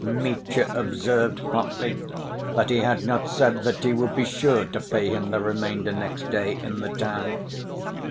Mitya observed hotly that he had not said that he would be sure to pay him the remainder next day in the town.